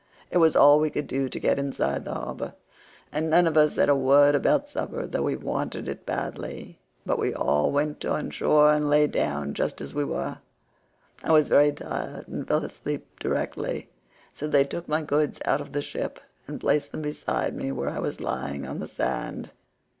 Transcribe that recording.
It was all we could do to get inside the harbour, and none of us said a word about supper though we wanted it badly, but we all went on shore and lay down just as we were. I was very tired and fell asleep directly, so they took my goods out of the ship, and placed them beside me where I was lying upon the sand.